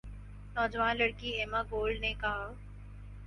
نوجوان لڑکی Emma Gold نے کہا